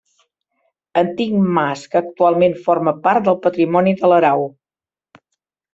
Antic mas que actualment forma part del patrimoni de l'Arau.